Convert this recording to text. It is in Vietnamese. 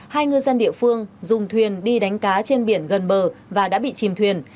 hai ngư dân địa phương dùng thuyền đi đánh cá trên biển gần bờ và đã bị chìm thuyền